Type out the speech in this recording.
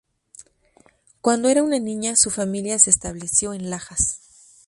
Cuando era una niña, su familia se estableció en Lajas.